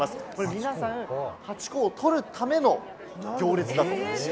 皆さん、ハチ公を撮るための行列だと。